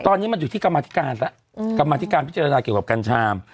ตอนนี้มันอยู่ที่กรรมธิการแล้วกรรมธิการพิจารณาเกี่ยวกับกัญชา